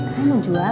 saya mau jual